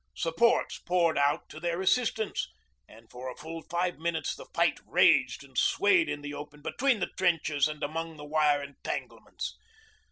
Supports poured out to their assistance, and for a full five minutes the fight raged and swayed in the open between the trenches and among the wire entanglements.